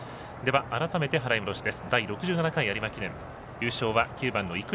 改めて払い戻しです。